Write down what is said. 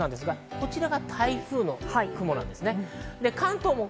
こちらが台風の雲です。